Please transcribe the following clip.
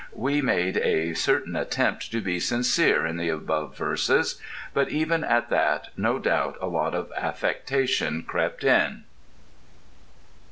We made a certain attempt to be sincere in the above verses; but even at that no doubt a lot of affectation crept in.